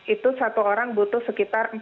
itu satu orang butuh sekitar